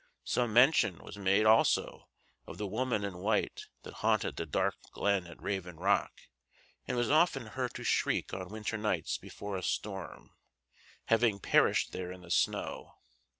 Some mention was made also of the woman in white that haunted the dark glen at Raven Rock, and was often heard to shriek on winter nights before a storm, having perished there in the snow.